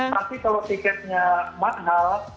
tapi kalau tiketnya mahal